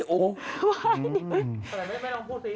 ไม่ลองพูดซิ